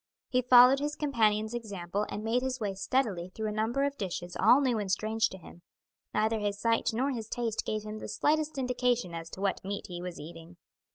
He followed his companion's example and made his way steadily through a number of dishes all new and strange to him; neither his sight nor his taste gave him the slightest indication as to what meat he was eating.